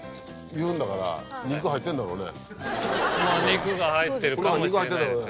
肉が入ってるかもしれないですよね。